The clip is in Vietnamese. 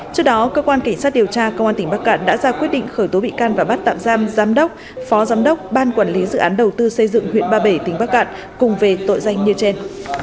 trước đó cơ quan cảnh sát điều tra công an tỉnh bắc cạn đã ra quyết định khởi tố bị can và bắt tạm giam giám đốc phó giám đốc ban quản lý dự án đầu tư xây dựng huyện ba bể tỉnh bắc cạn cùng về tội danh như trên